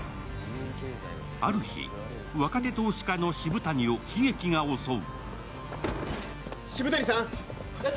ある日、若手投資家の渋谷を悲劇が襲う。